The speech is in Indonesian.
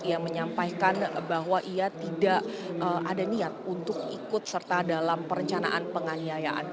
ia menyampaikan bahwa ia tidak ada niat untuk ikut serta dalam perencanaan penganiayaan